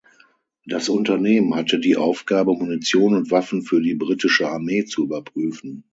Das Unternehmen hatte die Aufgabe, Munition und Waffen für die britische Armee zu überprüfen.